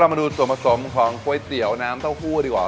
มาดูส่วนผสมของก๋วยเตี๋ยวน้ำเต้าหู้ดีกว่า